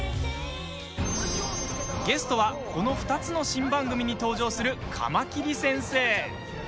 ゲストは、この２つの新番組に登場するカマキリ先生。